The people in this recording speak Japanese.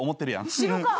知るかぁ！